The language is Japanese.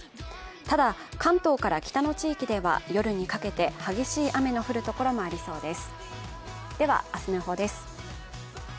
ただ、関東から北の地域では夜にかけて激しい雨の降るところもありそうです。